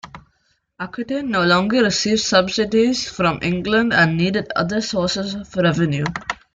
Aquitaine no longer received subsidies from England and needed other sources of revenue.